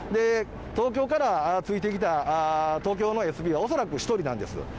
東京からついてきた東京のＳＰは、恐らく１人なんです。